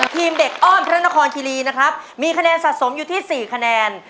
ทีมเด็กอ้อมพระนครคิรีนะครับมีคะแนนสะสมอยู่ที่๔คะแนน